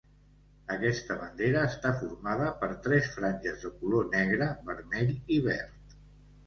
Aquesta bandera està formada per tres franges de color negre, vermell i verd.